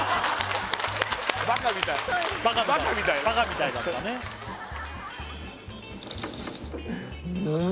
バカみたいバカみたいバカみたいバカみたいだったねうん